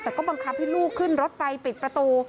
แต่ก็บังคับให้ลูกขึ้นรถไฟปิดประตู